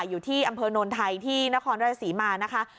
อยู่ที่อำเภอโนนไทยที่นครราชศรีมานะคะ